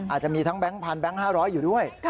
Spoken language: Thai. อาจจะมีทั้งแก๊งพันแบงค์๕๐๐อยู่ด้วย